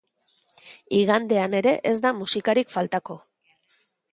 Igandean ere ez da musikarik faltako.